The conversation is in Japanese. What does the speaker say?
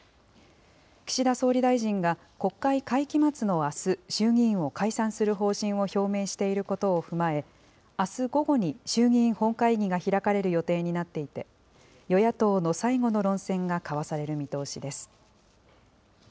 岸田総理大臣が国会会期末のあす、衆議院を解散する方針を表明していることを踏まえ、あす午後に衆議院本会議が開かれる予定になっていて、与野党の最後の論戦が交わされる見通しです。